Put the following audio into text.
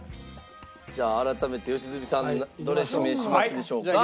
じゃあ改めて良純さんどれ指名しますでしょうか？